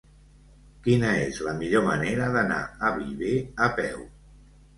Quina és la millor manera d'anar a Viver a peu?